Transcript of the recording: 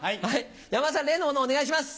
山田さん例のものをお願いします。